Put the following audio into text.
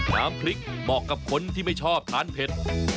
น้ำพริกเหมาะกับคนที่ไม่ชอบทานเผ็ด